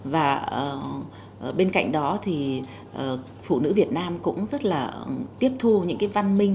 và bên cạnh đó thì phụ nữ việt nam cũng rất là tiếp thu những cái văn minh